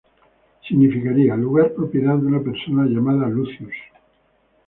Significaría ‘lugar propiedad de una persona llamada "Lucius"’.